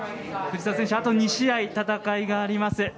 藤澤選手、あと２試合戦いがあります。